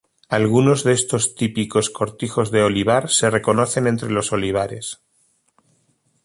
Algunos de estos típicos cortijos de olivar se reconocen entre los olivares.